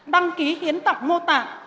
đăng ký hiến tặng mô tạng